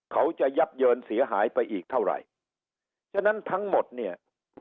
ยับเยินเสียหายไปอีกเท่าไหร่ฉะนั้นทั้งหมดเนี่ย